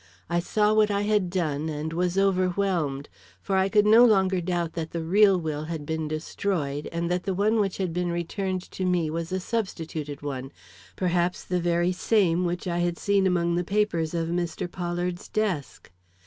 I saw what I had done and was overwhelmed, for I could no longer doubt that the real will had been destroyed and that the one which had been returned to me was a substituted one, perhaps the very same which I had seen among the papers of Mr. Pollard's desk.